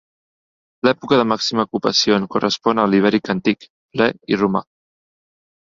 L'època de màxima ocupació en correspon a l'ibèric antic, ple i romà.